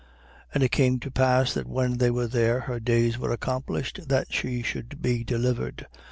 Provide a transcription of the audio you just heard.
2:6. And it came to pass that when they were there, her days were accomplished that she should be delivered.